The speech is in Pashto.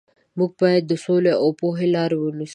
موږ باید د سولې او پوهې لارې ونیسو.